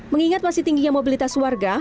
mengingat masih tingginya mobilitas warga